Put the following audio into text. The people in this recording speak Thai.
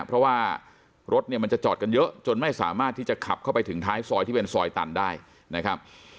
เพราะว่ารถเนี่ยมันจะจอดกันเยอะจนไม่สามารถที่จะขับเข้าไปถึงท้ายซอยที่เป็นซอยตันได้นะครับ